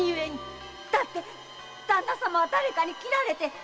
〔だって旦那様は誰かに斬られて！〕